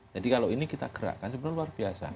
jadi kalau ini kita gerakkan sebenarnya luar biasa